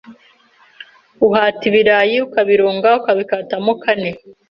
uhata ibirayi ukabironga, ukabikatamo kane